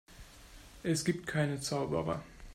Es gibt keine Zauberer.